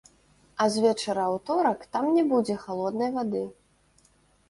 А з вечара аўторак там не будзе халоднай вады.